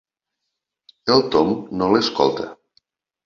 El Tom no l'escolta.